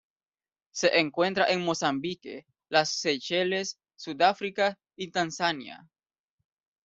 Se encuentra en Mozambique, las Seychelles, Sudáfrica y Tanzania.